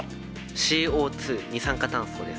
ＣＯ２・二酸化炭素です。